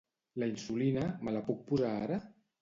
La insulina me la puc posar ara?